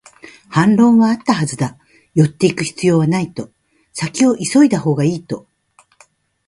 反論はあったはずだ、寄っていく必要はないと、先を急いだほうがいいと